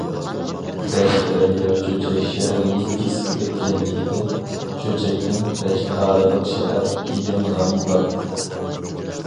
بەش دەريا چۆچەك شەھىرىنى كېسىپ ئۆتكەنلىكتىن، چۆچەكنىڭ‹‹ بەش تارىلىق شەھەر›› دېگەن نامى بار.